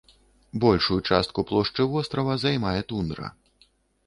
Большую частку плошчы вострава займае тундра.